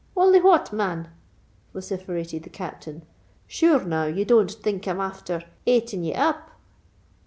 "Only what, man?" vociferated the Captain. "Sure, now, ye don't think I'm afther ayting ye up!"